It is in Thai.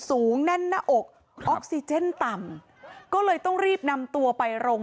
สูงแน่นหน้าอกออกซิเจนต่ำก็เลยต้องรีบนำตัวไปโรง